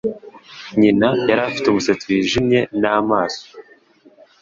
Nyina yari afite umusatsi wijimye n'amaso ...